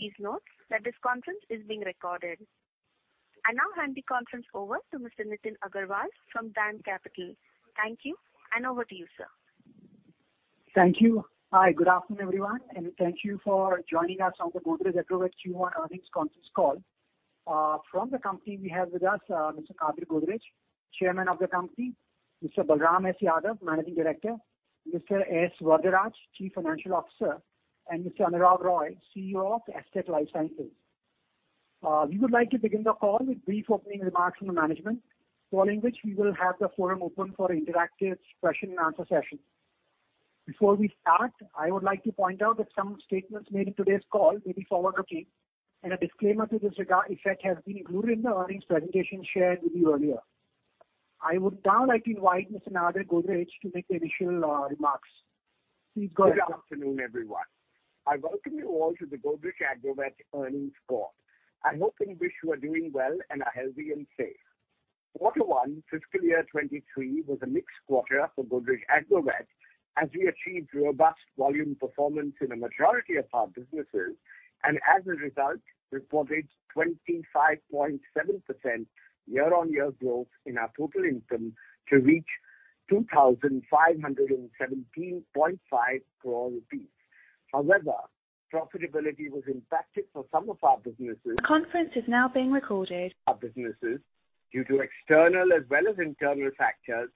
Please note that this conference is being recorded. I now hand the conference over to Mr. Nitin Agarwal from DAM Capital. Thank you, and over to you, sir. Thank you. Hi, good afternoon, everyone. Thank you for joining us on the Godrej Agrovet Q1 Earnings Conference Call. From the company, we have with us Mr. Nadir Godrej, Chairman of the company, Mr. Balram S. Yadav, Managing Director, Mr. S. Varadaraj, Chief Financial Officer, and Mr. Anurag Roy, CEO of Astec LifeSciences. We would like to begin the call with brief opening remarks from the management, following which we will have the floor open for interactive question-and-answer session. Before we start, I would like to point out that some statements made in today's call may be forward-looking, and a disclaimer to this effect has been included in the earnings presentation shared with you earlier. I would now like to invite Mr. Nadir Godrej to make the initial remarks. Please go ahead. Good afternoon, everyone. I welcome you all to the Godrej Agrovet Earnings Call. I hope and wish you are doing well and are healthy and safe. Quarter 1 fiscal year 2023 was a mixed quarter for Godrej Agrovet, as we achieved robust volume performance in a majority of our businesses. As a result, reported 25.7% year-on-year growth in our total income to reach 2,517.5 crore rupees. However, profitability was impacted for some of our businesses. Our businesses due to external as well as internal factors,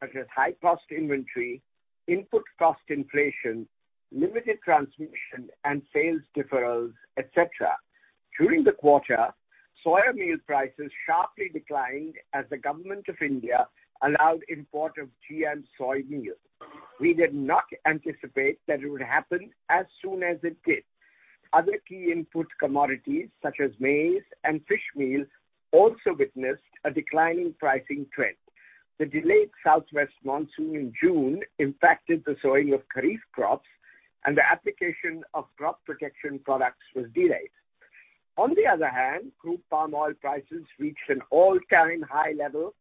such as high-cost inventory, input cost inflation, limited transmission and sales deferrals, et cetera. During the quarter, soy meal prices sharply declined as the Government of India allowed import of GM soy meal. We did not anticipate that it would happen as soon as it did. Other key input commodities such as maize and fish meal also witnessed a declining pricing trend. The delayed southwest monsoon in June impacted the sowing of kharif crops, and the application of crop protection products was delayed. On the other hand, crude palm oil prices reached an all-time high level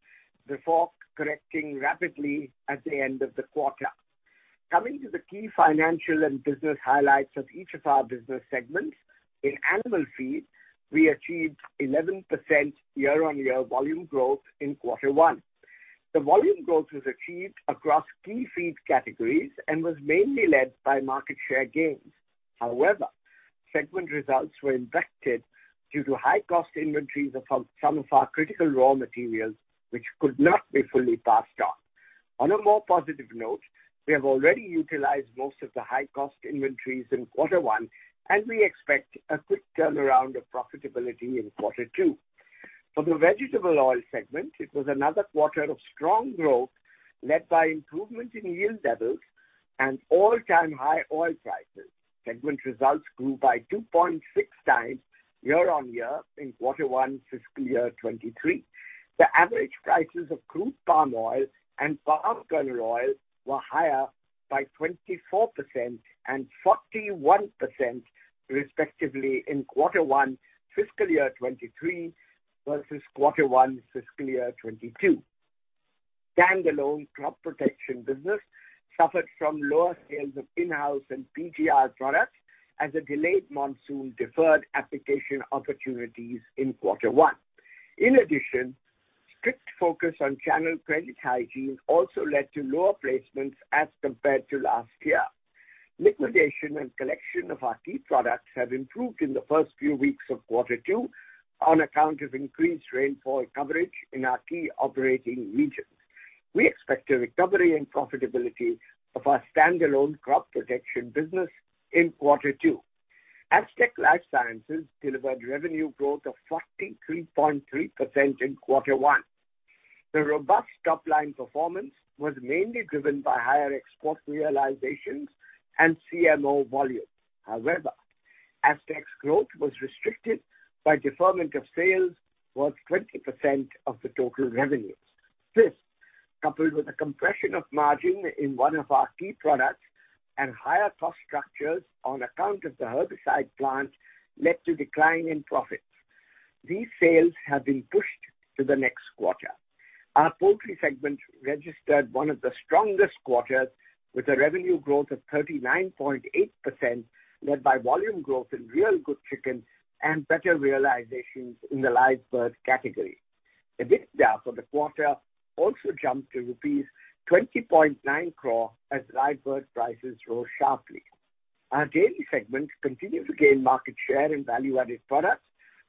before correcting rapidly at the end of the quarter. Coming to the key financial and business highlights of each of our business segments. In animal feed, we achieved 11% year-on-year volume growth in quarter one. The volume growth was achieved across key feed categories and was mainly led by market share gains. However, segment results were impacted due to high-cost inventories of some of our critical raw materials, which could not be fully passed on. On a more positive note, we have already utilized most of the high-cost inventories in quarter one, and we expect a quick turnaround of profitability in quarter two. For the vegetable oil segment, it was another quarter of strong growth led by improvement in yield levels and all-time high oil prices. Segment results grew by 2.6x year-on-year in quarter one fiscal year 2023. The average prices of crude palm oil and palm kernel oil were higher by 24% and 41%, respectively in quarter one fiscal year 2023 versus quarter one fiscal year 2022. Stand-alone crop protection business suffered from lower sales of in-house and PGR products as a delayed monsoon deferred application opportunities in quarter one. In addition, strict focus on channel credit hygiene also led to lower placements as compared to last year. Liquidation and collection of our key products have improved in the first few weeks of quarter two on account of increased rainfall coverage in our key operating regions. We expect a recovery in profitability of our stand-alone crop protection business in quarter two. Astec LifeSciences delivered revenue growth of 43.3% in quarter one. The robust top-line performance was mainly driven by higher export realizations and CMO volume. However, Astec's growth was restricted by deferment of sales worth 20% of the total revenues. This, coupled with the compression of margin in one of our key products and higher cost structures on account of the herbicide plant, led to decline in profits. These sales have been pushed to the next quarter. Our poultry segment registered one of the strongest quarters, with a revenue growth of 39.8%, led by volume growth in Real Good Chicken and better realizations in the live bird category. EBITDA for the quarter also jumped to rupees 20.9 crore, as live bird prices rose sharply. Our Dairy segment continued to gain market share in value-added products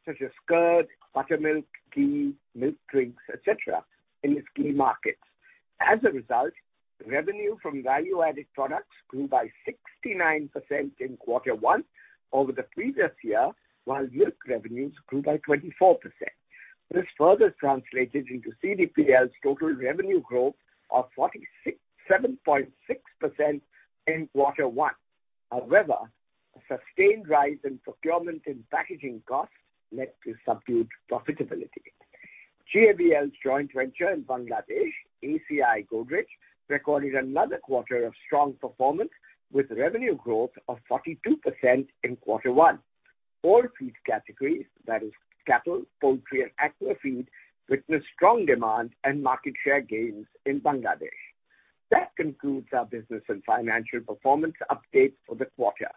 such as curd, buttermilk, ghee, milk drinks, et cetera, in its key markets. As a result, revenue from value-added products grew by 69% in quarter one over the previous year, while Milk revenues grew by 24%. This further translated into CDPL's total revenue growth of 47.6% in quarter one. However, a sustained rise in procurement and packaging costs led to subdued profitability. GAVL's joint venture in Bangladesh, ACI Godrej, recorded another quarter of strong performance, with revenue growth of 42% in quarter one. All feed categories, that is cattle, poultry and aqua feed, witnessed strong demand and market share gains in Bangladesh. That concludes our business and financial performance update for the quarter.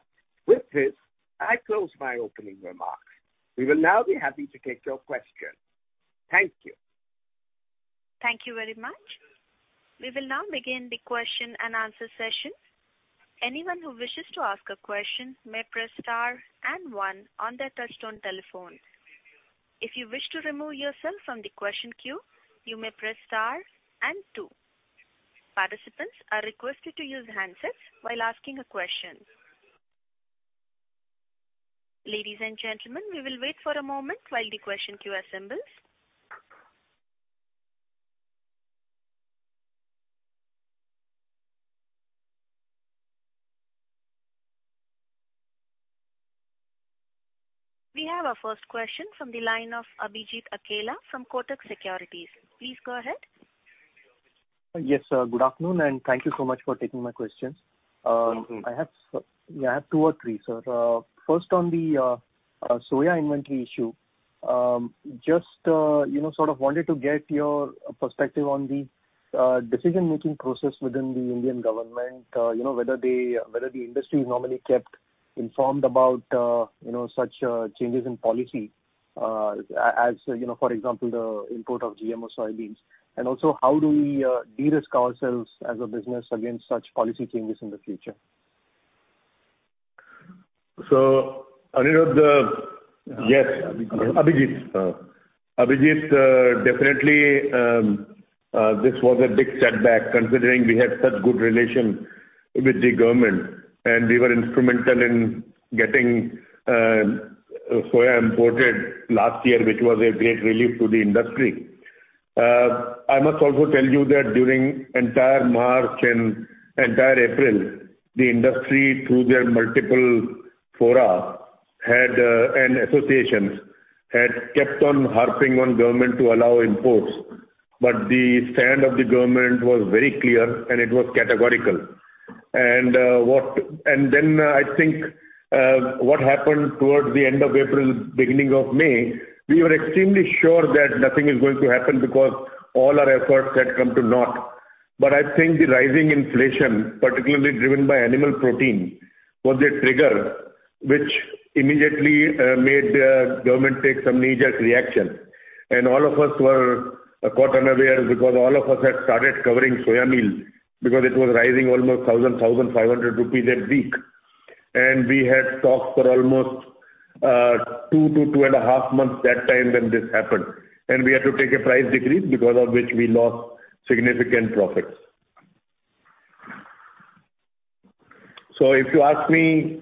With this, I close my opening remarks. We will now be happy to take your questions. Thank you. Thank you very much. We will now begin the question and answer session. Anyone who wishes to ask a question may press star and one on their touchtone telephone. If you wish to remove yourself from the question queue, you may press star and two. Participants are requested to use handsets while asking a question. Ladies and gentlemen, we will wait for a moment while the question queue assembles. We have our first question from the line of Abhijit Akella from Kotak Securities. Please go ahead. Yes, good afternoon, and thank you so much for taking my questions. Welcome. I have two or three, sir. First on the soy inventory issue. Just you know, sort of wanted to get your perspective on the decision-making process within the Indian government. You know, whether the industry is normally kept informed about you know, such changes in policy, as you know, for example, the import of GMO soybeans. Also, how do we de-risk ourselves as a business against such policy changes in the future? Anirudh, yes. Abhijit. Abhijit, definitely, this was a big setback considering we had such good relation with the government and we were instrumental in getting soya imported last year, which was a great relief to the industry. I must also tell you that during entire March and entire April, the industry, through their multiple fora and associations had kept on harping on government to allow imports. The stand of the government was very clear, and it was categorical. I think what happened towards the end of April, beginning of May, we were extremely sure that nothing is going to happen because all our efforts had come to naught. I think the rising inflation, particularly driven by animal protein, was a trigger which immediately made the government take some knee-jerk reaction. All of us were caught unaware because all of us had started covering soya meal because it was rising almost 1,000 to 1,500 rupees a week. We had stocks for almost 2-2.5 months that time when this happened. We had to take a price decrease because of which we lost significant profits. If you ask me,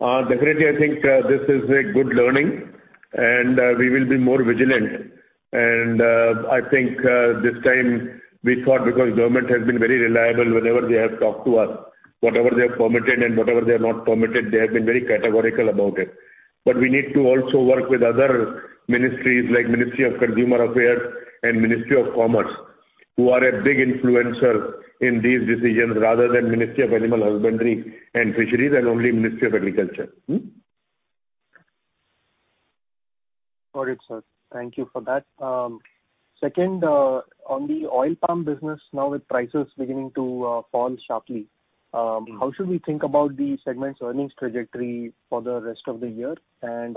definitely I think this is a good learning and we will be more vigilant. I think this time we thought because government has been very reliable whenever they have talked to us. Whatever they have permitted and whatever they have not permitted, they have been very categorical about it. We need to also work with other ministries like Ministry of Consumer Affairs and Ministry of Commerce, who are a big influencer in these decisions rather than Ministry of Animal Husbandry and Fisheries and only Ministry of Agriculture. Got it, sir. Thank you for that. Second, on the oil palm business, now with prices beginning to fall sharply, how should we think about the segment's earnings trajectory for the rest of the year?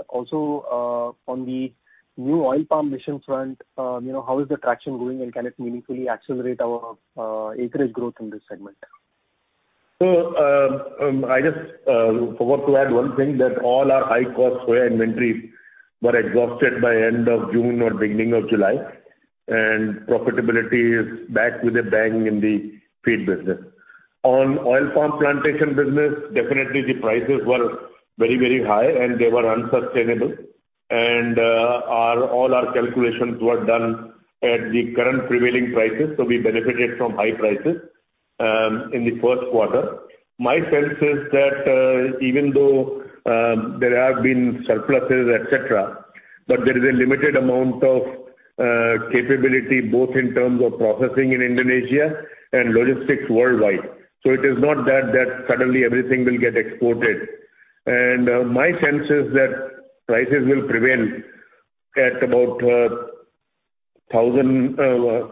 Also, on the new oil palm mission front, you know, how is the traction going, and can it meaningfully accelerate our acreage growth in this segment? I just forgot to add one thing that all our high-cost soya inventories were exhausted by end of June or beginning of July. Profitability is back with a bang in the feed business. On oil palm plantation business, definitely the prices were very, very high, and they were unsustainable. All our calculations were done at the current prevailing prices, so we benefited from high prices in the first quarter. My sense is that even though there have been surpluses, et cetera, but there is a limited amount of capability both in terms of processing in Indonesia and logistics worldwide. It is not that suddenly everything will get exported. My sense is that prices will prevail at about,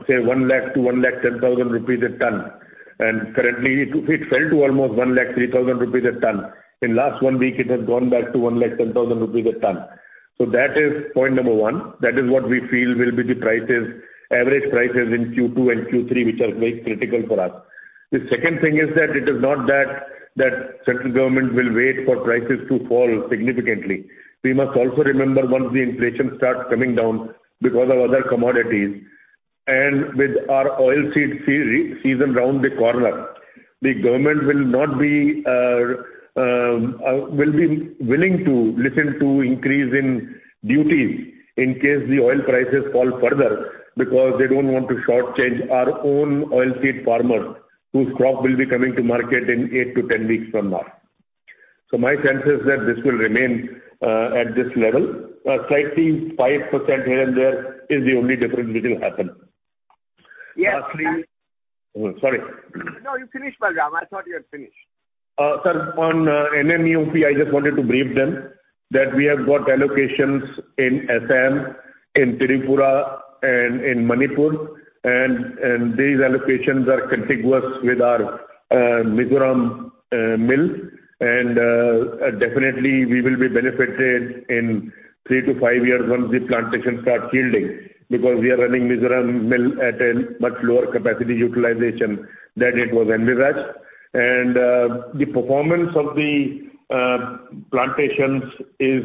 say 100,000 to 110,000 rupees a ton. Currently it fell to almost 103,000 rupees a ton. In last one week it has gone back to 110,000 rupees a ton. That is point number one. That is what we feel will be the prices, average prices in Q2 and Q3, which are very critical for us. The second thing is that it is not that central government will wait for prices to fall significantly. We must also remember once the inflation starts coming down because of other commodities and with our oilseed season round the corner, the government will be willing to listen to increase in duties in case the oil prices fall further because they don't want to shortchange our own oilseed farmers whose crop will be coming to market in 8-10 weeks from now. My sense is that this will remain at this level. Slightly 5% here and there is the only difference which will happen. Yes. Lastly. Sorry. No, you finish Balram. I thought you had finished. Sir, on NMOP, I just wanted to brief them that we have got allocations in Assam, in Tripura, and in Manipur. These allocations are contiguous with our Mizoram mill. Definitely we will be benefited in 3-5 years once the plantations start yielding, because we are running Mizoram mill at a much lower capacity utilization than it was envisaged. The performance of the plantations is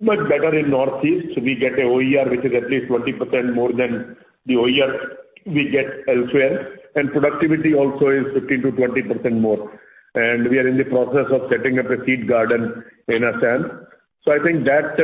much better in Northeast. We get an OER which is at least 20% more than the OER we get elsewhere. Productivity also is 15%-20% more. We are in the process of setting up a seed garden in Assam. I think that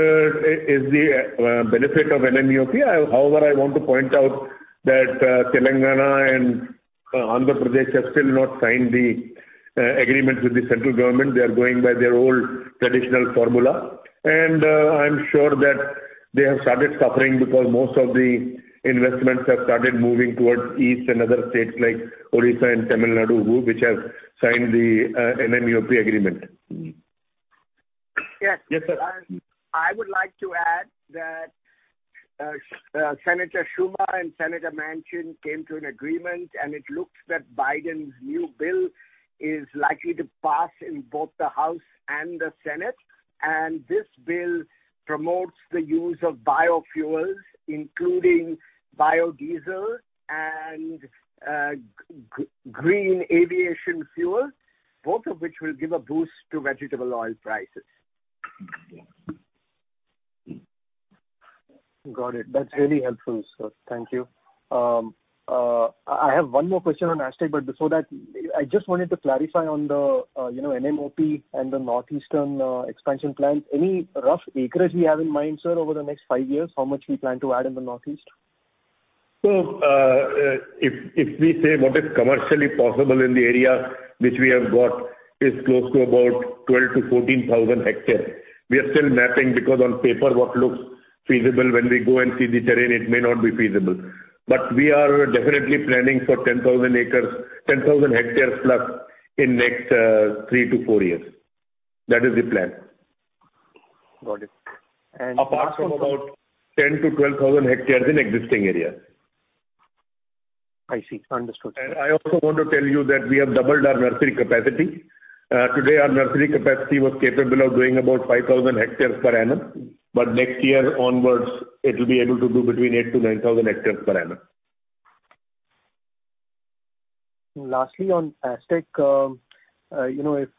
is the benefit of NMOP. However, I want to point out that, Telangana and Andhra Pradesh have still not signed the, agreement with the central government. They are going by their old traditional formula. I'm sure that they have started suffering because most of the investments have started moving towards East and other states like Odisha and Tamil Nadu, which have signed the, NMOP agreement. I would like to add that, Chuck Schumer and Joe Manchin came to an agreement, and it looks that Biden's new bill is likely to pass in both the House and the Senate. This bill promotes the use of biofuels, including biodiesel and green aviation fuel, both of which will give a boost to vegetable oil prices. Got it. That's really helpful, sir. Thank you. I have one more question on Astec, but before that, I just wanted to clarify on the, you know, NMOP and the Northeastern expansion plans. Any rough acreage we have in mind, sir, over the next five years, how much we plan to add in the Northeast? If we say what is commercially possible in the area which we have got is close to about 12,000-14,000 hectares. We are still mapping because on paper what looks feasible, when we go and see the terrain, it may not be feasible. We are definitely planning for 10,000 acres, 10,000 hectares+ in next 3-4 years. That is the plan. Got it. Apart from about 10,000-12,000 hectares in existing area. I see. Understood. I also want to tell you that we have doubled our nursery capacity. Today our nursery capacity was capable of doing about 5,000 hectares per annum, but next year onwards, it will be able to do between 8,000-9,000 hectares per annum. Lastly, on Astec, you know, if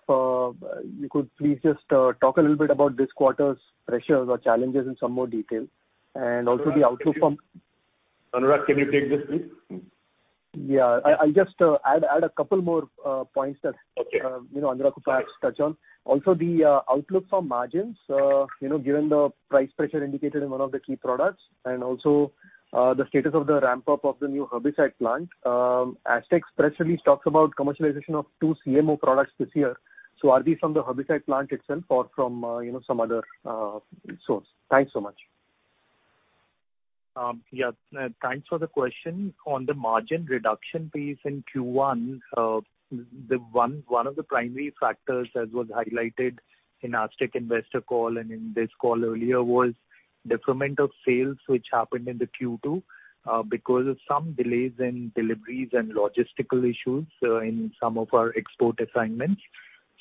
you could please just talk a little bit about this quarter's pressures or challenges in some more detail. I'll just add a couple more points that You know, Anurag, perhaps touch on. Also the outlook for margins, you know, given the price pressure indicated in one of the key products and also, the status of the ramp-up of the new herbicide plant. Astec's press release talks about commercialization of two CMO products this year. So are these from the herbicide plant itself or from, you know, some other source? Thanks so much. Thanks for the question. On the margin reduction piece in Q1, one of the primary factors as was highlighted in Astec Investor Call and in this call earlier was deferment of sales which happened in the Q2, because of some delays in deliveries and logistical issues, in some of our export assignments.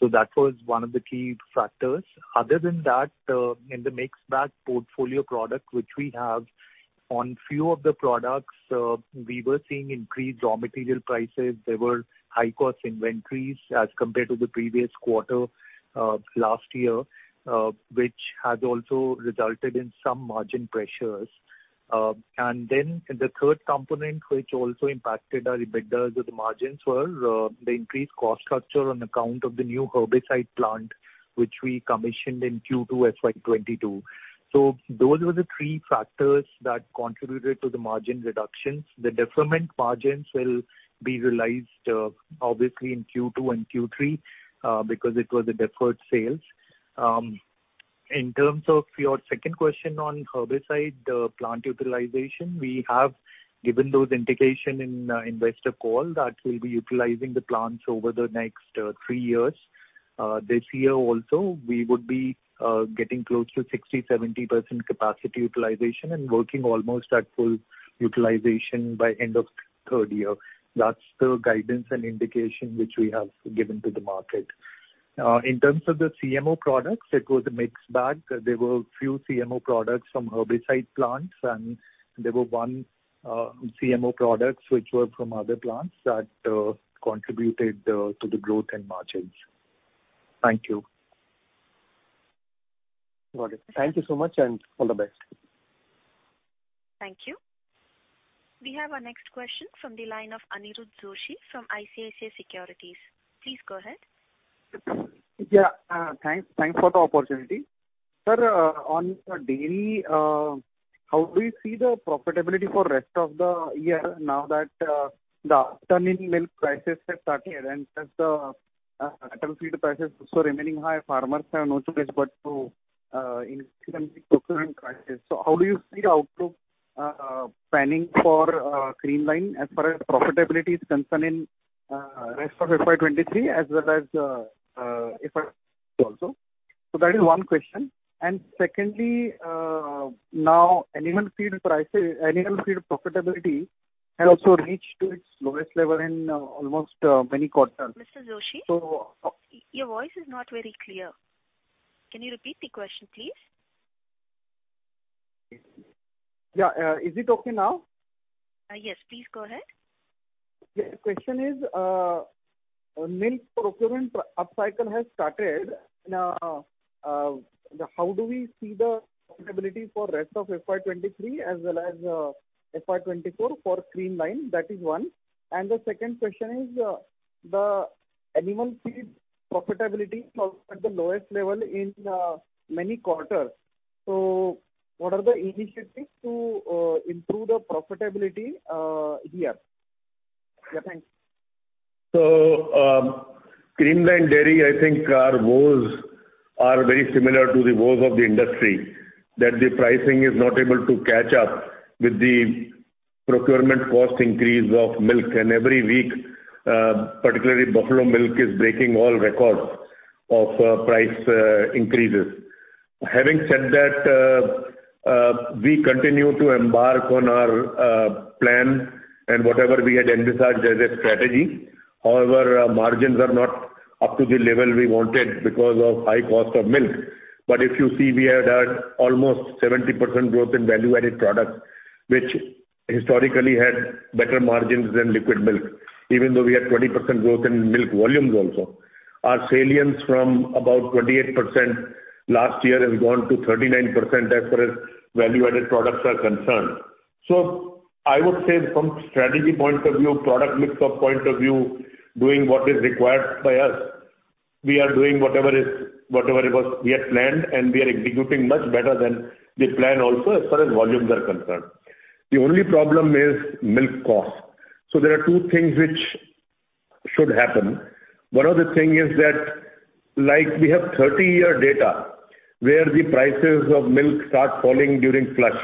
That was one of the key factors. Other than that, in the mixed bag portfolio product which we have on few of the products, we were seeing increased raw material prices. There were high cost inventories as compared to the previous quarter, last year, which has also resulted in some margin pressures. The third component which also impacted our EBITDA or the margins were the increased cost structure on account of the new herbicide plant which we commissioned in Q2 FY 2022. Those were the three factors that contributed to the margin reductions. The deferment margins will be realized, obviously in Q2 and Q3, because it was a deferred sales. In terms of your second question on herbicide, plant utilization, we have given those indication in, Investor Call that we'll be utilizing the plants over the next, three years. This year also we would be, getting close to 60%-70% capacity utilization and working almost at full utilization by end of third year. That's the guidance and indication which we have given to the market. In terms of the CMO products, it was a mixed bag. There were few CMO products from herbicide plants, and there were one CMO products which were from other plants that contributed to the growth and margins. Thank you. Got it. Thank you so much and all the best. Thank you. We have our next question from the line of Aniruddha Joshi from ICICI Securities. Please go ahead. Thanks for the opportunity. Sir, on the Dairy, how do you see the profitability for rest of the year now that the Amul milk prices have started and since the oilseed prices also remaining high, farmers have no choice but to increase procurement prices. How do you see the outlook planning for Creamline as far as profitability is concerned in rest of FY 2023 as well as FY also. That is one question. Secondly, now animal feed prices, animal feed profitability has also reached to its lowest level in almost many quarters. Mr. Joshi. Your voice is not very clear. Can you repeat the question, please? Yeah. Is it okay now? Yes, please go ahead. The question is, milk procurement upcycle has started. Now, how do we see the profitability for rest of FY 2023 as well as, FY 2024 for Creamline? That is one. The second question is, the animal feed profitability is also at the lowest level in, many quarters. What are the initiatives to, improve the profitability, here? Yeah, thanks. Creamline Dairy, I think our woes are very similar to the woes of the industry, that the pricing is not able to catch up with the procurement cost increase of milk. Every week, particularly buffalo milk is breaking all records of price increases. Having said that, we continue to embark on our plan and whatever we had envisaged as a strategy. However, margins are not up to the level we wanted because of high cost of milk. If you see, we had almost 70% growth in value-added products, which historically had better margins than liquid milk, even though we had 20% growth in milk volumes also. Our salience from about 28% last year has gone to 39% as far as value-added products are concerned. I would say from strategy point of view, product mix up point of view, doing what is required by us, we are doing whatever it was we had planned, and we are executing much better than the plan also as far as volumes are concerned. The only problem is milk cost. There are two things which should happen. One of the thing is that, like we have 30-year data where the prices of milk start falling during flush,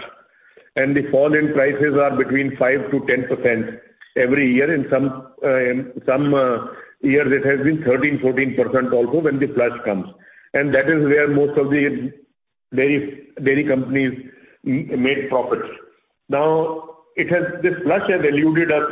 and the fall in prices are between 5%-10% every year. In some years it has been 13%, 14% also when the flush comes. That is where most of the dairy companies made profits. Now, this flush has eluded us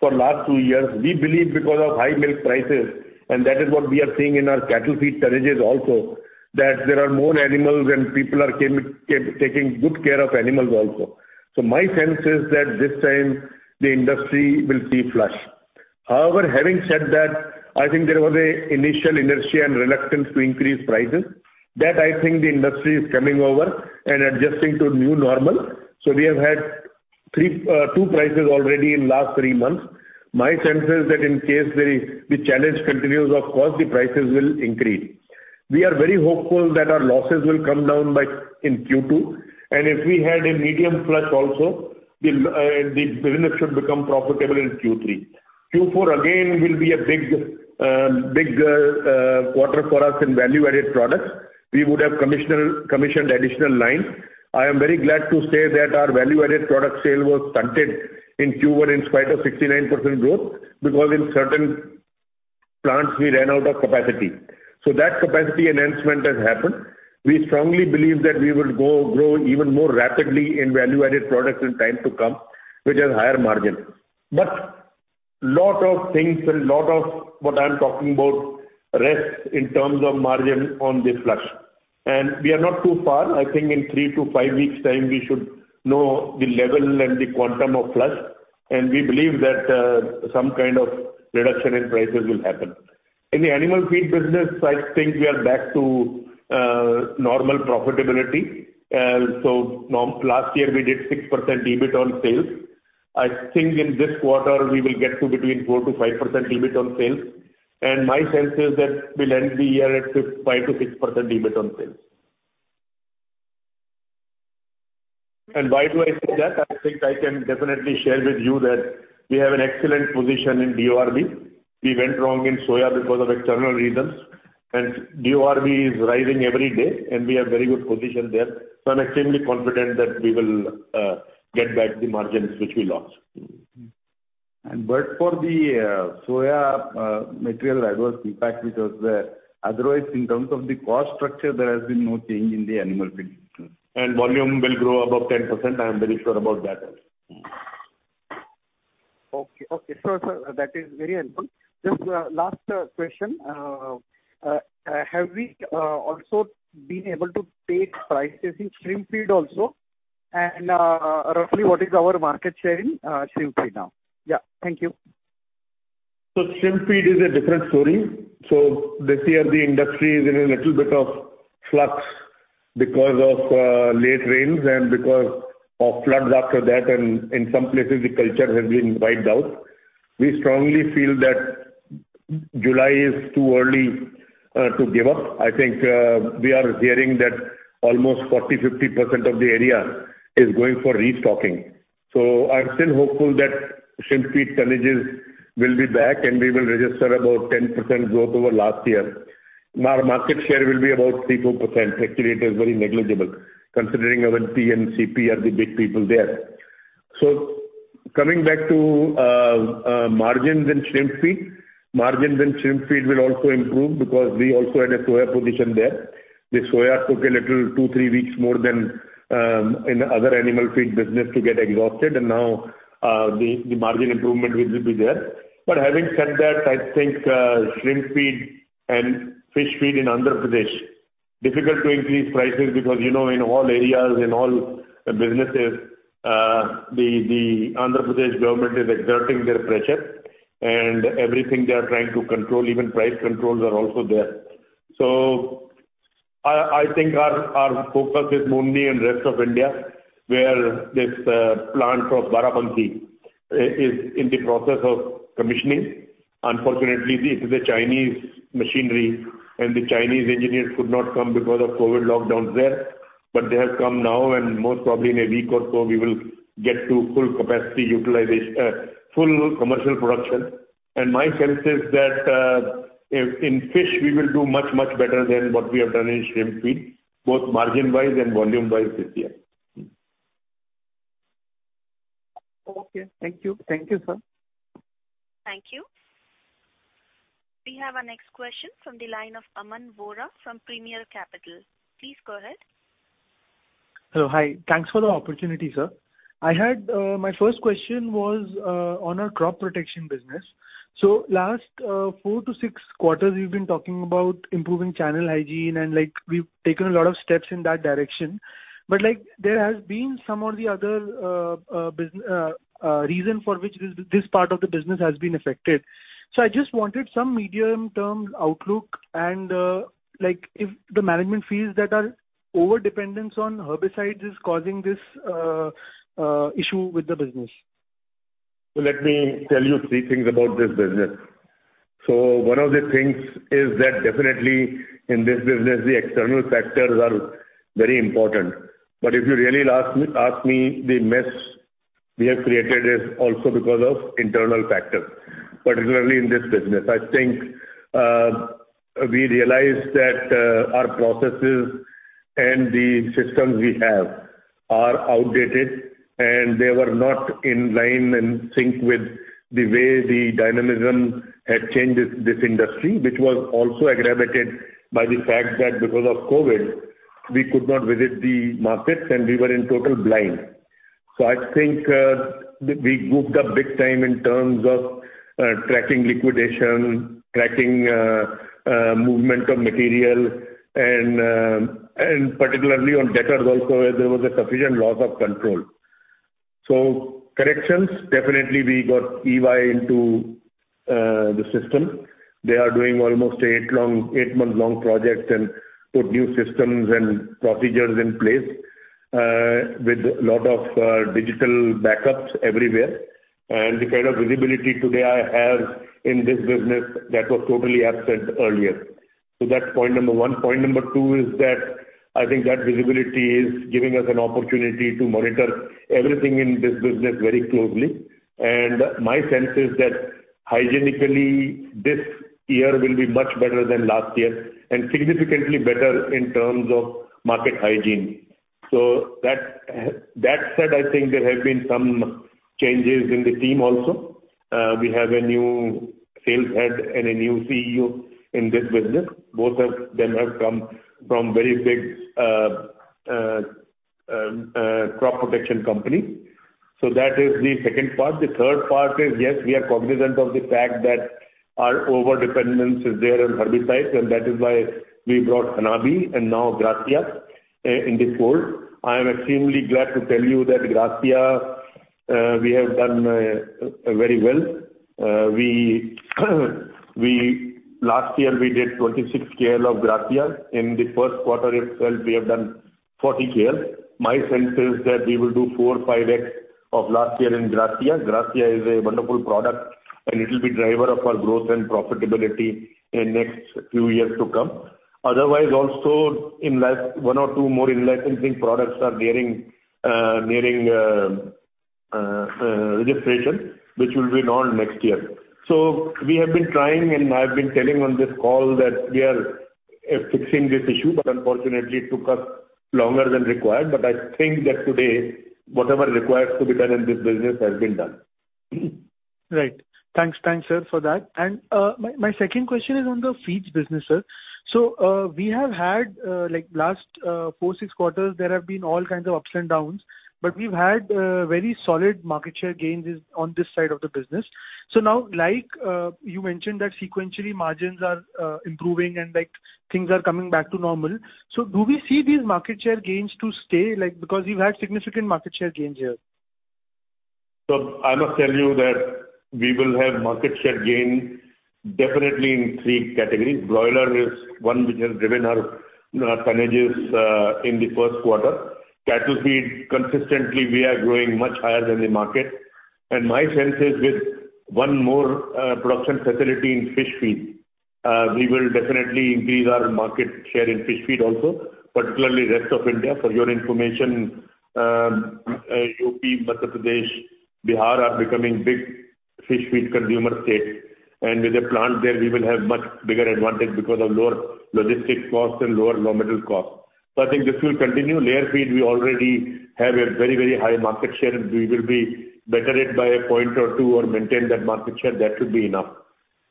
for last two years. We believe because of high milk prices, and that is what we are seeing in our cattle feed tonnages also that there are more animals and people are taking good care of animals also. My sense is that this time the industry will see flush. However, having said that, I think there was an initial inertia and reluctance to increase prices. That, I think, the industry is coming over and adjusting to new normal. We have had two prices already in last three months. My sense is that in case the challenge continues, of course, the prices will increase. We are very hopeful that our losses will come down by Q2, and if we had a medium flush also, the business should become profitable in Q3. Q4 again will be a big quarter for us in value-added products. We would have commissioned additional lines. I am very glad to say that our value-added product sale was stunted in Q1 in spite of 69% growth, because in certain plants we ran out of capacity. That capacity enhancement has happened. We strongly believe that we will grow even more rapidly in value-added products in time to come, which has higher margins. Lot of things and lot of what I'm talking about rests in terms of margin on the flush. We are not too far. I think in 3-5 weeks time we should know the level and the quantum of flush, and we believe that some kind of reduction in prices will happen. In the animal feed business, I think we are back to normal profitability. Last year we did 6% EBIT on sales. I think in this quarter we will get to between 4%-5% EBIT on sales. My sense is that we'll end the year at 5%-6% EBIT on sales. Why do I say that? I think I can definitely share with you that we have an excellent position in DORB. We went wrong in soya because of external reasons, and DORB is rising every day and we have very good position there. I'm extremely confident that we will get back the margins which we lost. But for the soy material adverse impact which was there, otherwise in terms of the cost structure there has been no change in the animal feed. Volume will grow above 10%. I am very sure about that. Okay. Sure, sir. That is very helpful. Just last question. Have we also been able to take prices in shrimp feed also? Roughly what is our market share in shrimp feed now? Yeah. Thank you. Shrimp feed is a different story. This year the industry is in a little bit of flux because of late rains and because of floods after that. In some places the culture has been wiped out. We strongly feel that July is too early to give up. I think we are hearing that almost 40%-50% of the area is going for restocking. I'm still hopeful that shrimp feed tonnages will be back, and we will register about 10% growth over last year. Our market share will be about 3%-4%. Actually, it is very negligible considering Avanti Feeds and CP Group are the big people there. Coming back to margins and shrimp feed. Margins and shrimp feed will also improve because we also had a soya position there. The soya took a little 2-3 weeks more than in other animal feed business to get exhausted. Now, the margin improvement will be there. Having said that, I think, shrimp feed and fish feed in Andhra Pradesh, difficult to increase prices because, you know, in all areas, in all businesses, the Andhra Pradesh government is exerting their pressure. Everything they are trying to control. Even price controls are also there. I think our focus is only in rest of India, where this plant of Barabanki is in the process of commissioning. Unfortunately, this is a Chinese machinery, and the Chinese engineers could not come because of COVID lockdowns there. They have come now, and most probably in a week or so we will get to full capacity utilization, full commercial production. My sense is that, if in fish we will do much, much better than what we have done in shrimp feed, both margin wise and volume wise this year. Okay. Thank you, sir. Thank you. We have our next question from the line of Amisha Vora from PL Capital. Please go ahead. Hello. Hi. Thanks for the opportunity, sir. I had my first question was on our crop protection business. Last 4-6 quarters, you've been talking about improving channel hygiene, and, like, we've taken a lot of steps in that direction. Like, there has been some or the other reason for which this part of the business has been affected. I just wanted some medium term outlook and, like, if the management feels that our overdependence on herbicides is causing this issue with the business. Let me tell you three things about this business. One of the things is that definitely in this business, the external factors are very important. If you really ask me, the mess we have created is also because of internal factors, particularly in this business. I think we realized that our processes and the systems we have are outdated, and they were not in line, in sync with the way the dynamism had changed this industry. Which was also aggravated by the fact that because of COVID, we could not visit the markets, and we were totally blind. I think we goofed up big time in terms of tracking liquidation, tracking movement of material and particularly on debtors also, there was a sufficient loss of control. Corrections, definitely we got EY into the system. They are doing almost eight-month-long projects and put new systems and procedures in place with a lot of digital backups everywhere. The kind of visibility today I have in this business that was totally absent earlier. That's point number one. Point number two is that I think that visibility is giving us an opportunity to monitor everything in this business very closely. My sense is that hygienically, this year will be much better than last year and significantly better in terms of market hygiene. That said, I think there have been some changes in the team also. We have a new sales head and a new CEO in this business. Both of them have come from very big crop protection company. That is the second part. The third part is, yes, we are cognizant of the fact that our overdependence is there on herbicides, and that is why we brought Hanabi and now Gracia in this fold. I am extremely glad to tell you that Gracia, we have done very well. Last year we did 26 kl of Gracia. In the first quarter itself, we have done 40 kl. My sense is that we will do 4x-5x of last year in Gracia. Gracia is a wonderful product, and it will be driver of our growth and profitability in next few years to come. Otherwise, also in last one or two more in licensing products are nearing registration, which will be launched next year. We have been trying, and I've been telling on this call that we are fixing this issue, but unfortunately it took us longer than required. I think that today, whatever requires to be done in this business has been done. Right. Thanks. Thanks, sir, for that. My second question is on the feeds business, sir. We have had, like last 4, 6 quarters, there have been all kinds of ups and downs, but we've had very solid market share gains is on this side of the business. Now, like, you mentioned that sequentially margins are improving and, like, things are coming back to normal. Do we see these market share gains to stay, like, because you've had significant market share gains here? I must tell you that we will have market share gains definitely in three categories. Broiler is one which has driven our tonnages in the first quarter. Cattle feed, consistently, we are growing much higher than the market. My sense is with one more production facility in fish feed, we will definitely increase our market share in fish feed also, particularly rest of India. For your information, UP, Madhya Pradesh, Bihar are becoming big fish feed consumer states. With a plant there, we will have much bigger advantage because of lower logistics costs and lower raw material cost. I think this will continue. Layer feed, we already have a very high market share, and we will better it by a point or two or maintain that market share. That should be enough.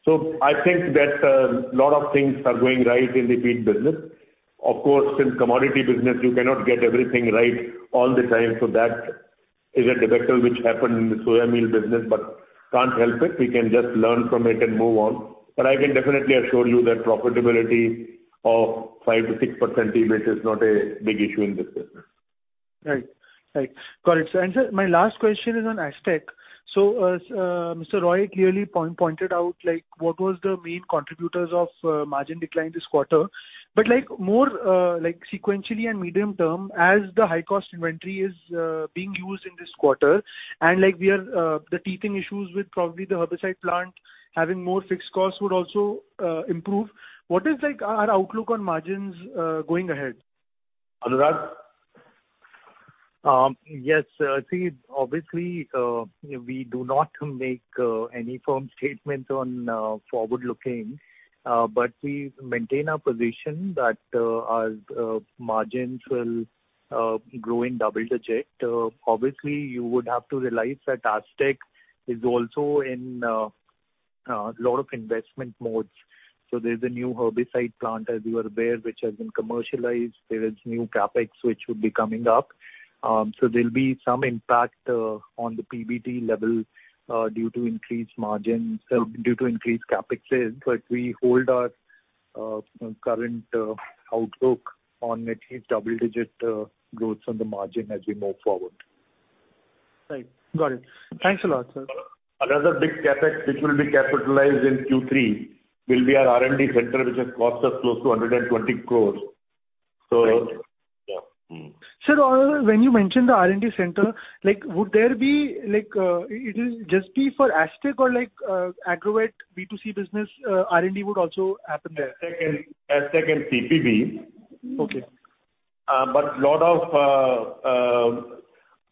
I think that a lot of things are going right in the feed business. Of course, in commodity business you cannot get everything right all the time, so that is a debacle which happened in the soya meal business, but can't help it. We can just learn from it and move on. I can definitely assure you that profitability of 5%-6% EBITDA is not a big issue in this business. Right. Got it. Sir, my last question is on Astec. Mr. Anurag Roy clearly pointed out, like, what was the main contributors of margin decline this quarter. Like, more, like, sequentially and medium term, as the high-cost inventory is being used in this quarter, and, like, the teething issues with probably the herbicide plant having more fixed costs would also improve. What is, like, our outlook on margins going ahead? Anurag? Yes, obviously, we do not make any firm statements on forward-looking, but we maintain our position that our margins will grow in double-digit. Obviously you would have to realize that Astec is also in a lot of investment modes. There's a new herbicide plant, as you are aware, which has been commercialized. There is new CapEx which would be coming up. There'll be some impact on the PBT level due to increased CapEx. We hold our current outlook on at least double-digit growth on the margin as we move forward. Right. Got it. Thanks a lot, sir. Another big CapEx, which will be capitalized in Q3, will be our R&D center, which has cost us close to 120 crores. Sir, when you mention the R&D center, like, would there be, like, is it just for Astec or like, Agrovet B2C business, R&D would also happen there? Astec and CPB.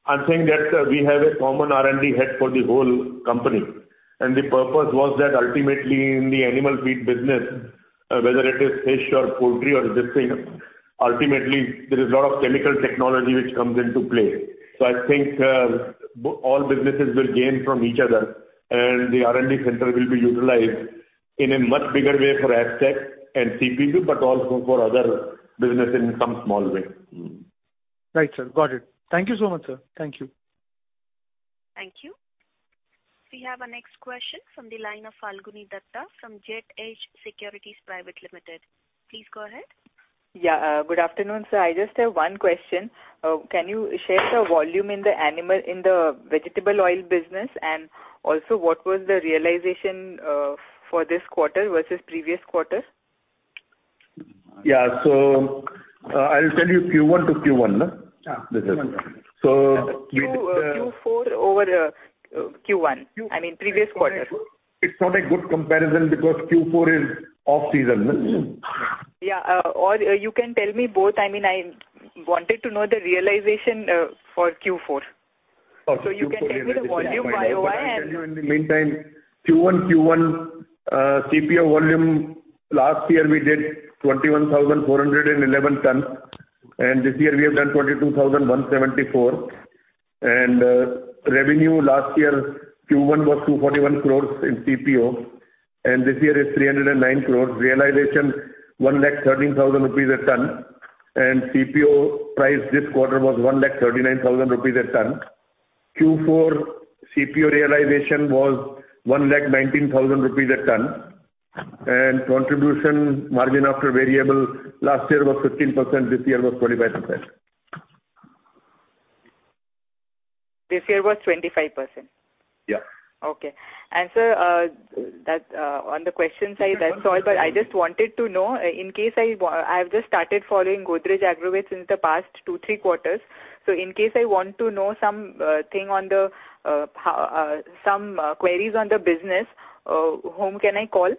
I'm saying that we have a common R&D head for the whole company. The purpose was that ultimately in the animal feed business, whether it is fish or poultry or this thing, ultimately there is a lot of chemical technology which comes into play. I think all businesses will gain from each other, and the R&D center will be utilized in a much bigger way for Astec and CPB, but also for other business in some small way. Right, sir. Got it. Thank you so much, sir. Thank you. Thank you. We have our next question from the line of Falguni Datta from Jet Age Securities Private Limited. Please go ahead. Yeah. Good afternoon, sir. I just have one question. Can you share the volume in the animal, in the vegetable oil business, and also what was the realization for this quarter versus previous quarter? I'll tell you Q4-Q1 no? Q4 over Q1. I mean, previous quarter. It's not a good comparison because Q4 is off-season. You can tell me both. I mean, I wanted to know the realization for Q4. Q4 realization. You can tell me the volume by? I'll tell you in the meantime, Q1 CPO volume last year we did 21,411 tons, and this year we have done 22,174. Revenue last year, Q1 was 241 crore in CPO, and this year is 309 crore. Realization, 1,13,000 rupees a ton. CPO price this quarter was 1,39,000 rupees a ton. Q4 CPO realization was 1,19,000 rupees a ton. Contribution margin after variable last year was 15%, this year was 25%. This year was 25%. Okay. Sir, that, on the question side, that's all. I just wanted to know, in case I've just started following Godrej Agrovet since the past 2, 3 quarters. In case I want to know something on the some queries on the business, whom can I call?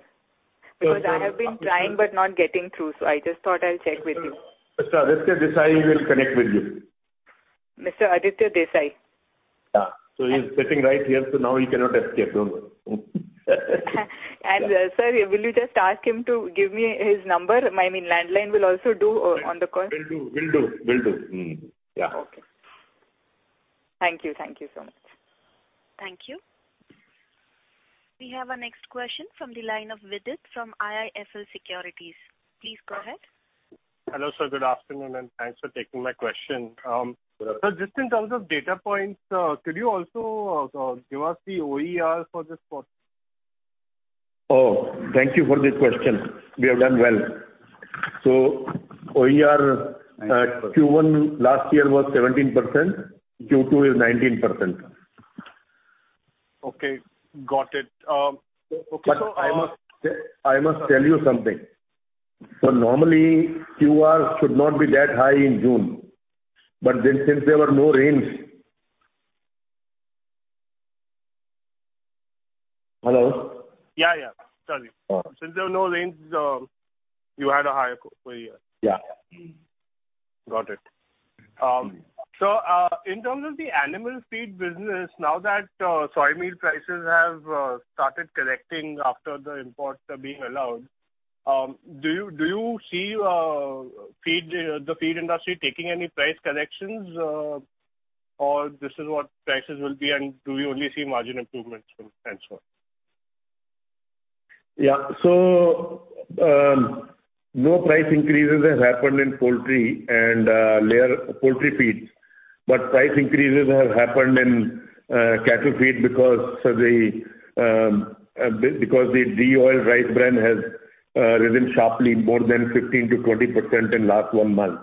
Because I have been trying but not getting through, so I just thought I'll check with you. Mr. Aditya Desai will connect with you. Mr. Aditya Desai. He's sitting right here, so now he cannot escape. Don't worry. Sir, will you just ask him to give me his number? I mean, landline will also do, on the call. Will do. Okay. Thank you. Thank you so much. Thank you. We have our next question from the line of Vidit from IIFL Securities. Please go ahead. Hello, sir. Good afternoon, and thanks for taking my question. Welcome. Sir, just in terms of data points, could you also give us the OER for this quarter? Oh, thank you for this question. We have done well. OER, Q1 last year was 17%, Q2 is 19%. Okay. Got it. I must tell you something. Normally, QRs should not be that high in June, but then since there were no rains. Hello? Since there were no rains, you had a higher. Got it. In terms of the animal feed business, now that soy meal prices have started correcting after the imports are being allowed, do you see the feed industry taking any price corrections, or this is what prices will be? Do we only see margin improvements and so on? No price increases have happened in poultry and layer poultry feeds. Price increases have happened in cattle feed because the de-oiled rice bran has risen sharply more than 15%-20% in last one month.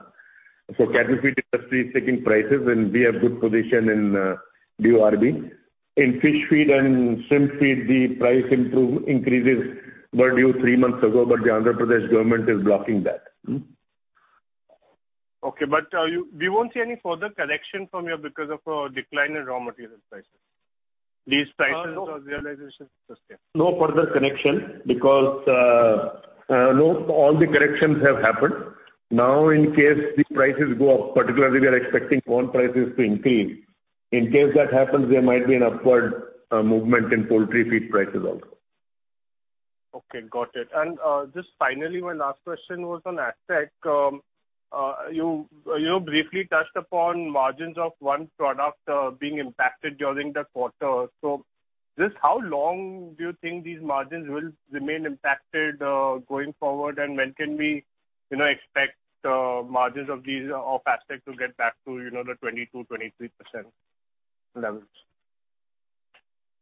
Cattle feed industry is taking prices, and we have good position in DORB. In fish feed and shrimp feed, the price increases were due three months ago, but the Andhra Pradesh government is blocking that. Okay. We won't see any further correction from here because of decline in raw material prices. These prices or realization is just. No further correction because all the corrections have happened. Now, in case the prices go up, particularly we are expecting corn prices to increase. In case that happens, there might be an upward movement in poultry feed prices also. Okay, got it. Just finally, my last question was on Astec. You briefly touched upon margins of one product being impacted during the quarter. Just how long do you think these margins will remain impacted going forward? When can we, you know, expect margins of these, of Astec to get back to, you know, the 20%-23% levels?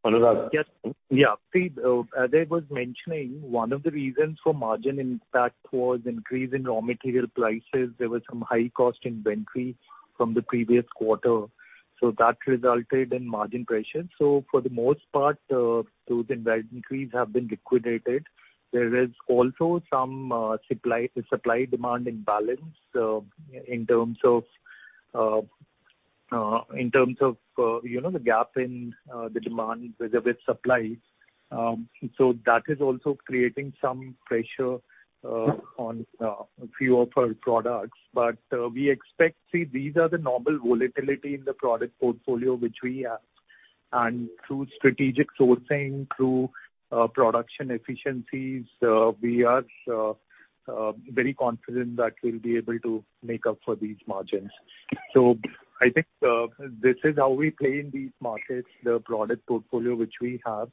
Hello. See, as I was mentioning, one of the reasons for margin impact was increase in raw material prices. There were some high cost inventory from the previous quarter, so that resulted in margin pressure. For the most part, those inventories have been liquidated. There is also some supply demand imbalance in terms of you know, the gap in the demand vis-a-vis supply. That is also creating some pressure on a few of our products. We expect, see, these are the normal volatility in the product portfolio which we have. Through strategic sourcing, through production efficiencies, we are very confident that we'll be able to make up for these margins. I think this is how we play in these markets, the product portfolio which we have.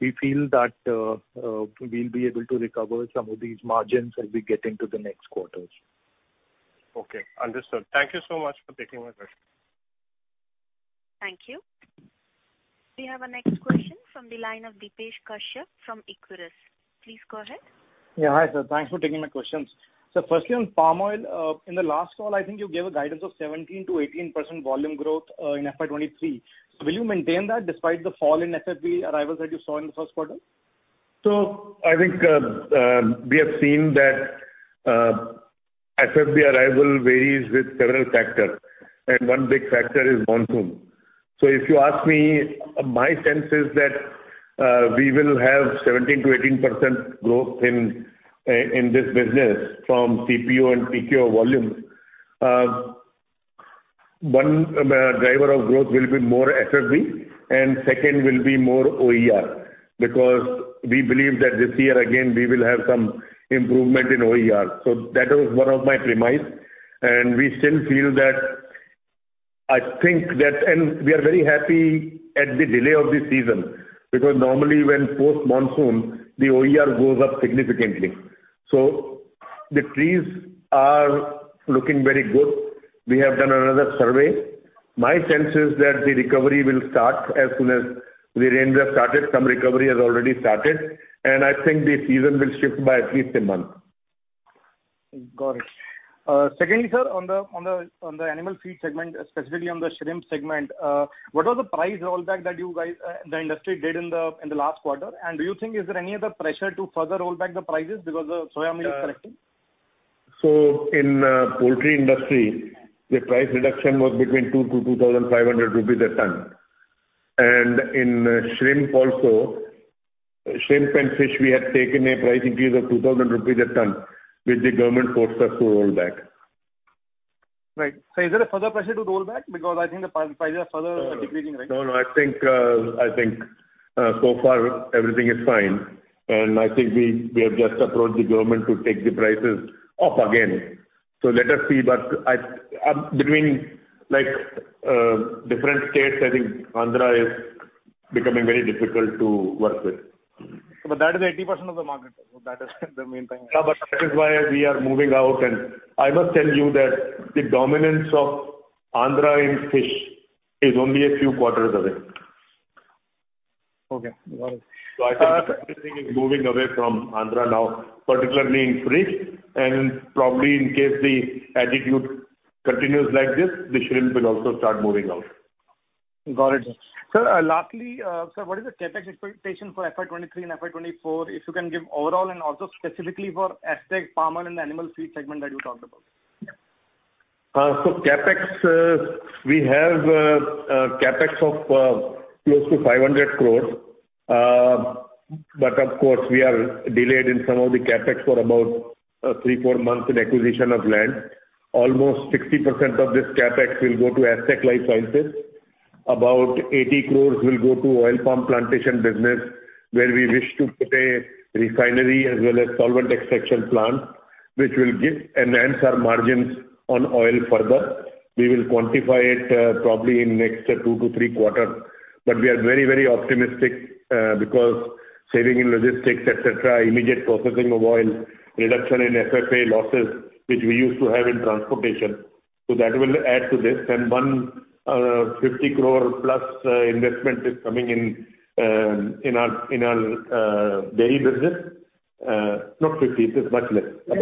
We feel that we'll be able to recover some of these margins as we get into the next quarters. Okay. Understood. Thank you so much for taking my questions. Thank you. We have our next question from the line of Deepesh Kashyap from Equirus. Please go ahead. Yeah. Hi, sir. Thanks for taking my questions. Firstly, on palm oil. In the last call, I think you gave a guidance of 17%-18% volume growth in FY 2023. Will you maintain that despite the fall in FFB arrivals that you saw in the first quarter? I think we have seen that FFB arrival varies with several factors, and one big factor is monsoon. If you ask me, my sense is that we will have 17%-18% growth in this business from CPO and PKO volumes. One driver of growth will be more FFB, and second will be more OER, because we believe that this year again, we will have some improvement in OER. That was one of my premise, and we still feel that. I think that, and we are very happy at the delay of the season, because normally when post-monsoon, the OER goes up significantly. The trees are looking very good. We have done another survey. My sense is that the recovery will start as soon as the rains have started. Some recovery has already started, and I think the season will shift by at least a month. Got it. Secondly, sir, on the animal feed segment, specifically on the shrimp segment, what was the price rollback that you guys, the industry did in the last quarter? Do you think, is there any other pressure to further roll back the prices because the soy meal is correcting? In poultry industry, the price reduction was between 2,000 to 2,500 rupees a ton. In shrimp also, shrimp and fish, we had taken a price increase of 2,000 rupees a ton, which the government forced us to roll back. Right. Is there a further pressure to roll back? Because I think the prices are further decreasing, right? No, I think so far everything is fine. I think we have just approached the government to take the prices up again. Let us see. Between, like, different states, I think Andhra is becoming very difficult to work with. That is 80% of the market. That is the main thing. Yeah, but that is why we are moving out. I must tell you that the dominance of Andhra in fish is only a few quarters away. Okay. Got it. I think everything is moving away from Andhra now, particularly in fish. Probably in case the attitude continues like this, the shrimp will also start moving out. Got it. Sir, lastly, sir, what is the CapEx expectation for FY 2023 and FY 2024? If you can give overall and also specifically for Astec, palm oil and animal feed segment that you talked about. CapEx, we have a CapEx of close to 500 crores. Of course, we are delayed in some of the CapEx for about 3-4 months in acquisition of land. Almost 60% of this CapEx will go to Astec LifeSciences. About 80 crores will go to oil palm plantation business, where we wish to put a refinery as well as solvent extraction plant, which will enhance our margins on oil further. We will quantify it probably in next 2-3 quarters. We are very, very optimistic because saving in logistics, et cetera, immediate processing of oil, reduction in FFA losses, which we used to have in transportation. That will add to this. 150 crores plus investment is coming in in our Dairy business. Not 50, it is much less.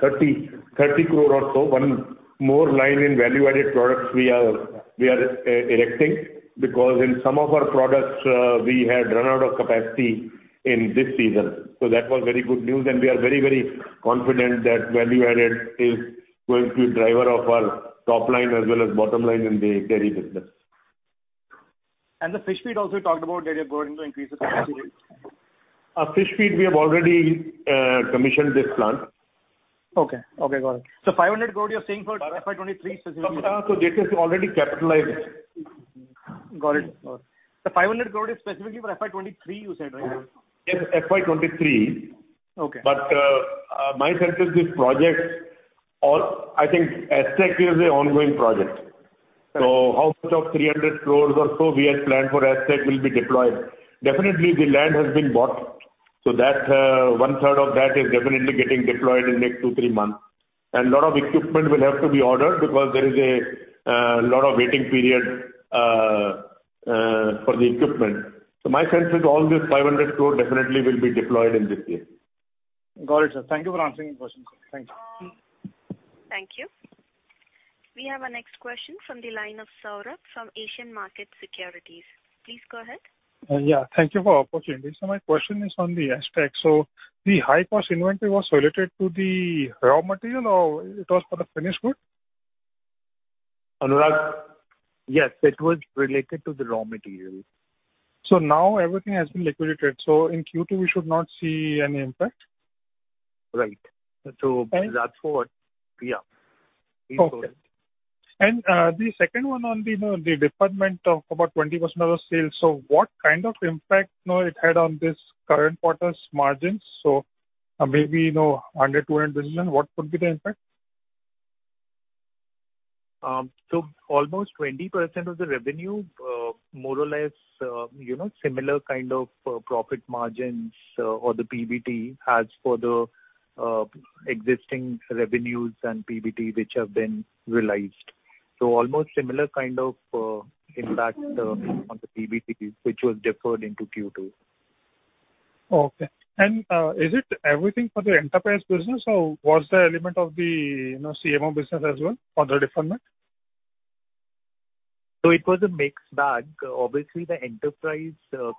30 crore or so. One more line in value-added products we are erecting, because in some of our products, we had run out of capacity in this season. That was very good news and we are very confident that value-added is going to be driver of our top line as well as bottom line in the Dairy business. The fish feed also you talked about that you're going to increase the capacity rates? Fish feed we have already commissioned this plant. Okay. Okay, got it. 500 crore you're saying for FY 2023 specifically. This is already capitalized. Got it. 500 crore is specifically for FY 2023 you said, right? Yes, FY 2023. My sense is these projects all. I think Astec is a ongoing project. How much of 300 crore or so we had planned for Astec will be deployed. Definitely the land has been bought, so that, one third of that is definitely getting deployed in next 2-3 months. Lot of equipment will have to be ordered because there is a, lot of waiting period, for the equipment. My sense is all this 500 crore definitely will be deployed in this year. Got it, sir. Thank you for answering the question. Thank you. Thank you. We have our next question from the line of Saurabh from Asian Markets Securities. Please go ahead. Thank you for opportunity. My question is on the Astec. The high cost inventory was related to the raw material or it was for the finished good? Anurag? Yes, it was related to the raw material. Now everything has been liquidated, so in Q2 we should not see any impact. Right. The second one on the deferment of about 20% of the sales. What kind of impact you know it had on this current quarter's margins? Maybe you know INR 100 billionto 200 billion, what could be the impact? Almost 20% of the revenue, more or less, you know, similar kind of profit margins, or the PBT has for the existing revenues and PBT which have been realized. Almost similar kind of impact on the PBT which was deferred into Q2. Okay. Is it everything for the enterprise business or was there element of the, you know, CMO business as well for the deferment? It was a mixed bag. Obviously, the enterprise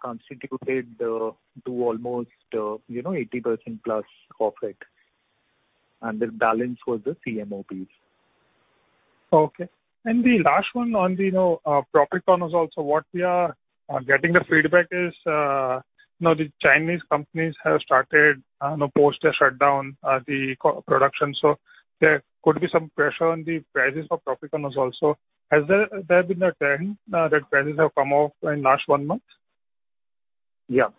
constituted to almost 80%+ of it. The balance was the CMO piece. Okay. The last one on the product prices also, what we are getting the feedback is the Chinese companies have started, you know, post their shutdown, the co-production. So there could be some pressure on the prices for product prices also. Has there been a trend that prices have come off in last one month? That's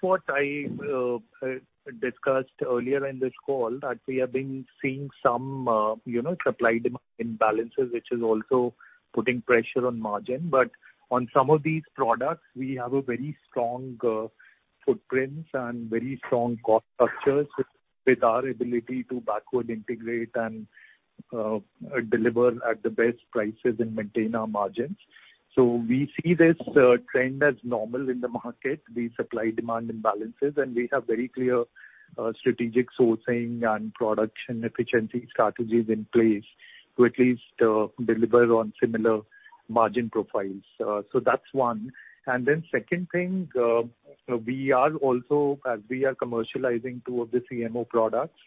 what I discussed earlier in this call, that we have been seeing some, you know, supply demand imbalances which is also putting pressure on margin. On some of these products we have a very strong footprints and very strong cost structures with our ability to backward integrate and deliver at the best prices and maintain our margins. We see this trend as normal in the market, the supply demand imbalances, and we have very clear strategic sourcing and production efficiency strategies in place to at least deliver on similar margin profiles. That's one. Second thing, we are also, as we are commercializing two of the CMO products,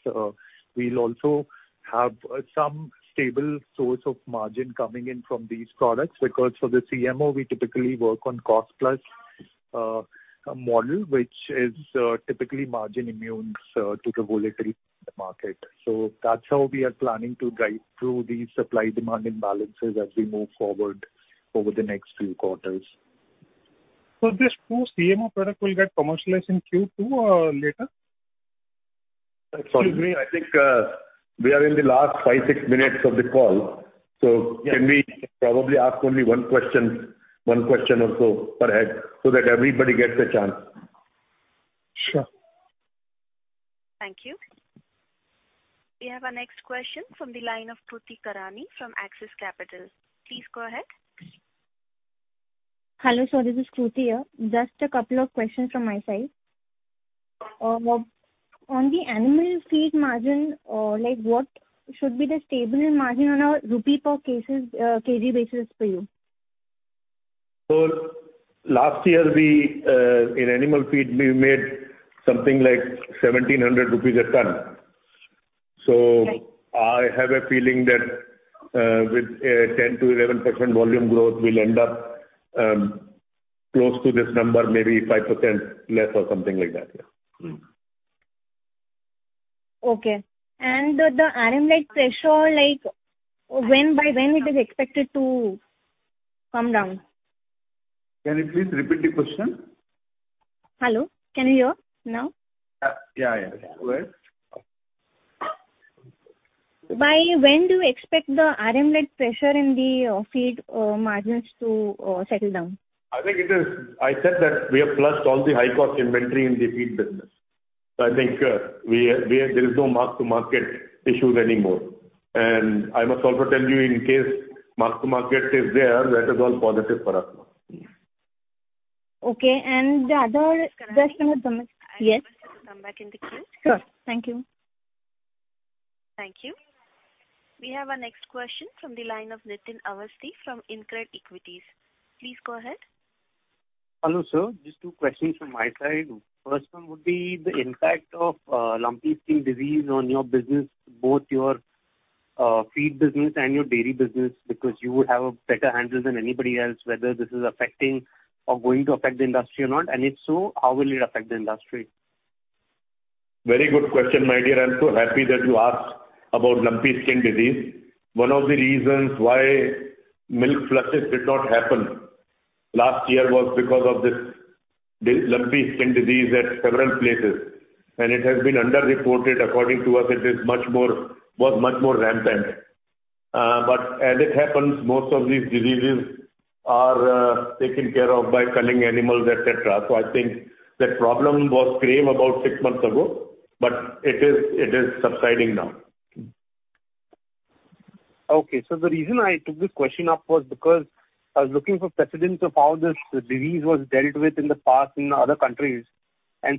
we'll also have some stable source of margin coming in from these products because for the CMO we typically work on cost-plus model which is typically margin immune to regulatory market. That's how we are planning to drive through the supply-demand imbalances as we move forward over the next few quarters. These two CMO product will get commercialized in Q2 or later? Excuse me, I think we are in the last 5-6 minutes of the call. Can we probably ask only one question or so per head so that everybody gets a chance? Sure. Thank you. We have our next question from the line of Kruti Karani from Axis Capital. Please go ahead. Hello, sir, this is Kruti here. Just a couple of questions from my side. On the animal feed margin, what should be the stable margin on a rupee per kg basis for you? Last year, we in animal feed, we made something like 1,700 rupees a ton. I have a feeling that with 10%-11% volume growth, we'll end up close to this number, maybe 5% less or something like that, yeah. Okay. The RM rate pressure, like when by when it is expected to come down? By when do you expect the RM rate pressure in the feed margins to settle down? I think it is. I said that we have flushed all the high-cost inventory in the feed business. I think there is no mark-to-market issues anymore. I must also tell you, in case mark-to-market is there, that is all positive for us. I request you to come back in the queue. Sure. Thank you. Thank you. We have our next question from the line of Nitin Awasthi from InCred Equities. Please go ahead. Hello, sir. Just two questions from my side. First one would be the impact of lumpy skin disease on your business, both your feed business and your Dairy business, because you would have a better handle than anybody else, whether this is affecting or going to affect the industry or not. If so, how will it affect the industry? Very good question, my dear. I'm so happy that you asked about lumpy skin disease. One of the reasons why milk flushes did not happen last year was because of this lumpy skin disease at several places, and it has been underreported. According to us, it is much more, was much more rampant. But as it happens, most of these diseases are taken care of by culling animals, et cetera. I think that problem was grave about six months ago, but it is subsiding now. Okay. The reason I took this question up was because I was looking for precedents of how this disease was dealt with in the past in other countries.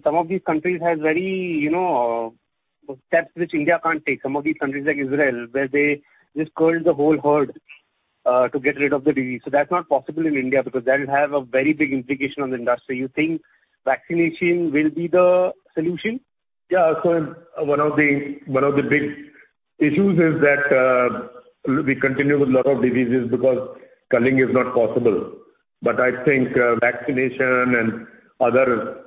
Some of these countries have very steps which India can't take. Some of these countries, like Israel, where they just culled the whole herd to get rid of the disease. That's not possible in India because that'll have a very big implication on the industry. You think vaccination will be the solution? Yeah. One of the big issues is that we continue with a lot of diseases because culling is not possible. I think vaccination and other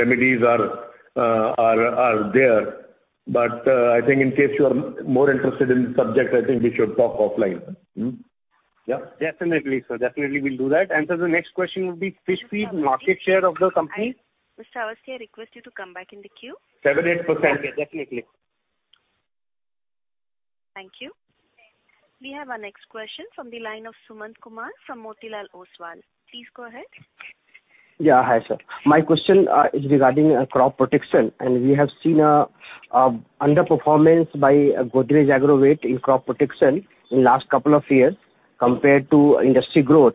remedies are there. I think in case you are more interested in this subject, I think we should talk offline. Definitely, sir. Definitely, we'll do that. The next question would be fish feed market share of the company. Mr. Awasthi, I request you to come back in the queue. 7%-8%. Definitely. Thank you. We have our next question from the line of Sumant Kumar from Motilal Oswal. Please go ahead. Yeah. Hi, sir. My question is regarding crop protection, and we have seen underperformance by Godrej Agrovet in crop protection in last couple of years compared to industry growth.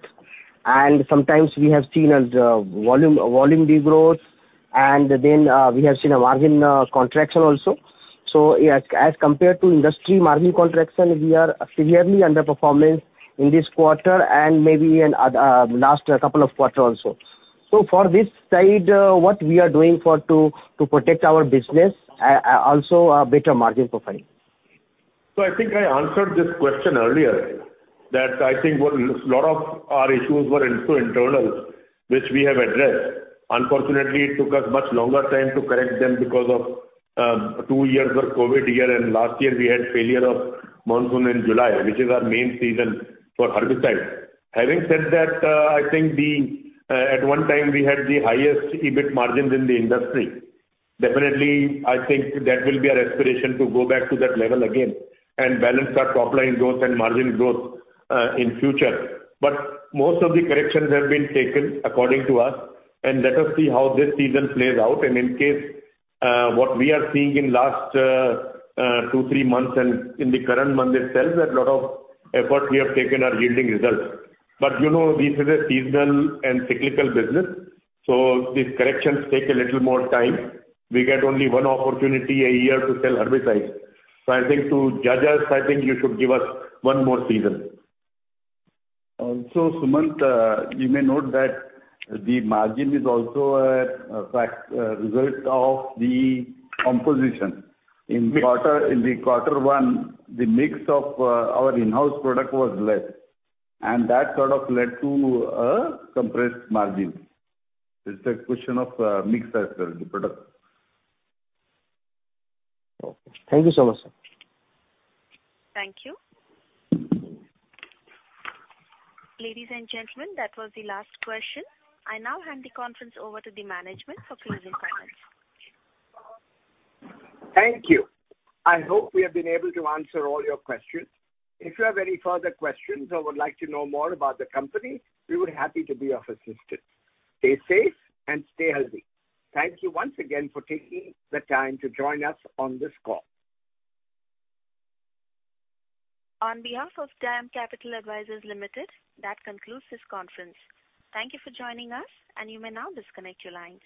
Sometimes we have seen volume degrowth, and then we have seen margin contraction also. As compared to industry margin contraction, we are severely underperforming in this quarter and maybe in last couple of quarters also. For this side, what we are doing to protect our business, also a better margin profile? I think I answered this question earlier that I think a lot of our issues were internal, which we have addressed. Unfortunately, it took us much longer time to correct them because of two years of COVID, and last year we had failure of monsoon in July, which is our main season for herbicides. Having said that, I think at one time we had the highest EBIT margins in the industry. Definitely, I think that will be our aspiration to go back to that level again and balance our top-line growth and margin growth in future. Most of the corrections have been taken according to us, and let us see how this season plays out. In case what we are seeing in last 2-3 months and in the current month itself, that a lot of effort we have taken are yielding results. You know, this is a seasonal and cyclical business, so these corrections take a little more time. We get only one opportunity a year to sell herbicides. I think to judge us, you should give us one more season. Sumant, you may note that the margin is also a factor result of the composition. In the quarter one, the mix of our in-house product was less, and that sort of led to a compressed margin. It's a question of mix as well, the product. Okay. Thank you so much, sir. Thank you. Ladies and gentlemen, that was the last question. I now hand the conference over to the management for closing comments. Thank you. I hope we have been able to answer all your questions. If you have any further questions or would like to know more about the company, we would be happy to be of assistance. Stay safe and stay healthy. Thank you once again for taking the time to join us on this call. On behalf of DAM Capital Advisors Limited, that concludes this conference. Thank you for joining us, and you may now disconnect your lines.